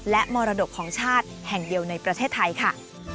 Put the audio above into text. และมรดกของชาติแห่งเดียวในประเทศไทยค่ะ